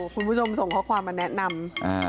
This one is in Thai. คุณผู้ชมส่งข้อความมาแนะนำ